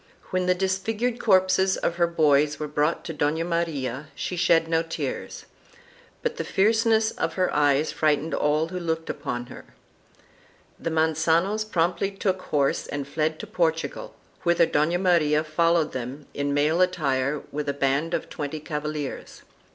6 THE CASTILIAN MONARCHY [BOOK I the disfigured corpses of her boys were brought to Dona Maria she shed no tears, but the fierceness of her eyes frightened all who looked upon her. The Mancanos promptly took horse and fled to Portugal, whither Dona Maria followed them in male attire with a band of twenty cavaliers.